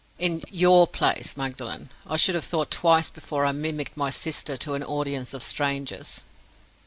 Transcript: "In your place, Magdalen, I should have thought twice before I mimicked my sister to an audience of strangers."